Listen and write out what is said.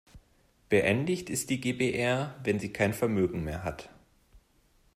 Beendigt ist die GbR, wenn sie kein Vermögen mehr hat.